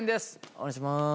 お願いします。